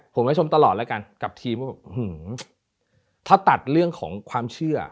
ผมให้ชมตลอดแล้วกันกับทีมว่าแบบถ้าตัดเรื่องของความเชื่อ